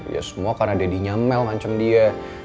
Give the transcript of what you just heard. ya semua karena deddy nyamel ngancam dia